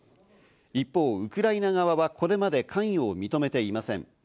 一方、ウクライナ側はこれまで関与を認めていません。